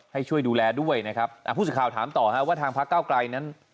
ให้ช่วยดูแลด้วยนะครับอ่าผู้สื่อข่าวถามต่อฮะว่าทางพระเก้าไกลนั้น